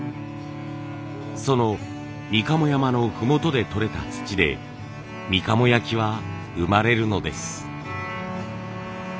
そのみかも山の麓でとれた土でみかも焼は生まれるのです。